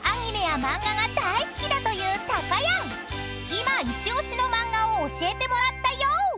［今一押しの漫画を教えてもらったよ］